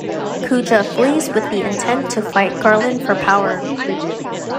Kuja flees with the intent to fight Garland for power.